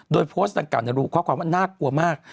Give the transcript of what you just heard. โดยโพสต์ต่างกับนรูปเพราะความว่าน่ากลัวมาก